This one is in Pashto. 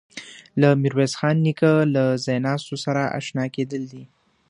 له میرویس خان نیکه له ځایناستو سره آشنا کېدل دي.